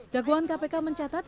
dakwaan kpk mencatat